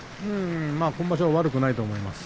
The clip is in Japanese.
今場所は悪くないと思います。